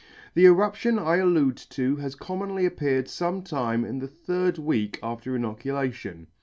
The eruption I allude to has commonly appeared fome time in the third week after inoculation.